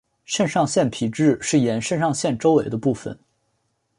肾上腺皮质是沿肾上腺周围的部分。